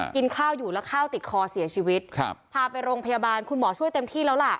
กินข้าวอยู่แล้วข้าวติดคอเสียชีวิตครับพาไปโรงพยาบาลคุณหมอช่วยเต็มที่แล้วล่ะ